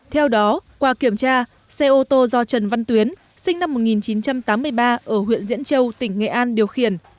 theo đó qua kiểm tra xe ô tô do trần văn tuyến sinh năm một nghìn chín trăm tám mươi ba ở huyện diễn châu tỉnh nghệ an điều khiển